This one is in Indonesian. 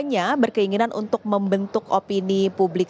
gambar yang anda saksikan saat ini adalah